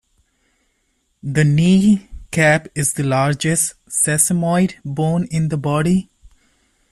The kneecap is the largest sesamoid bone in the body.